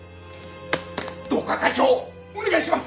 どうか会長お願いします。